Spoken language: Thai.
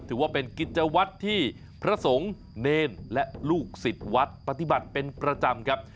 ถือว่าเป็นกิจวัตรที่พระสงฆ์เนรและลูกศิษย์วัดปฏิบัติเป็นประจำครับ